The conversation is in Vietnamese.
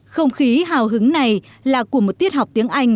không khí hào hứng này là của một tiết học tiếng anh